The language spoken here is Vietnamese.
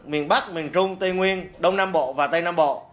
miền bắc miền trung tây nguyên đông nam bộ và tây nam bộ